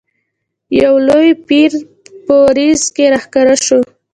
یو لوی پیری په وریځ کې را ښکاره شو.